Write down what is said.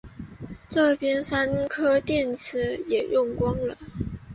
这边三颗电池也用光了